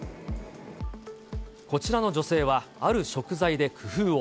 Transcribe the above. こちらの女性は、ある食材で工夫を。